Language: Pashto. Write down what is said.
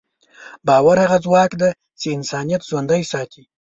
باور هغه ځواک دی چې انسانیت ژوندی ساتي.